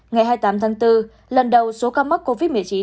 ngày hai mươi tám tháng bốn lần đầu số ca mắc covid một mươi chín